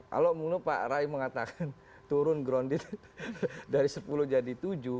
kalau menurut pak rai mengatakan turun grounded dari sepuluh jadi tujuh